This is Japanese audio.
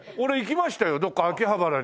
どっか秋葉原にある。